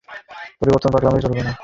কিন্তু পরিবর্তন তো পাগলামি হলে চলবে না।